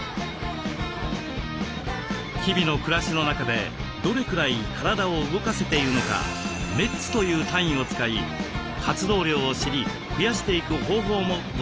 日々の暮らしの中でどれくらい体を動かせているのか「メッツ」という単位を使い活動量を知り増やしていく方法もご紹介します。